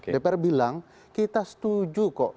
dpr bilang kita setuju kok